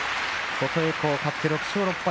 琴恵光、勝って６勝６敗。